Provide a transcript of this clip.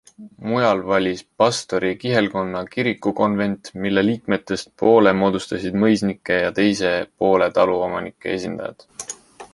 Mujal valis pastori kihelkonna kirikukonvent, mille liikmetest poole moodustasid mõisnike ja teise poole taluomanike esindajad.